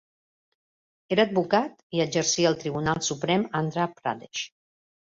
Era advocat i exercia al tribunal suprem Andhra Pradesh.